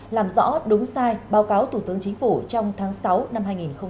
làm rõ đúng sai báo cáo thủ tướng chính phủ trong tháng sáu năm hai nghìn hai mươi